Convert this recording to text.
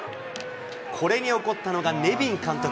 これに怒ったのがネビン監督。